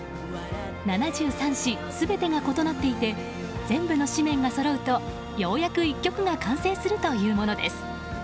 ７３紙、全てが異なっていて全部の紙面がそろうとようやく１曲が完成するというものです。